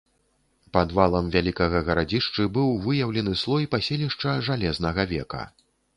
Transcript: Пад валам вялікага гарадзішчы быў выяўлены слой паселішча жалезнага века.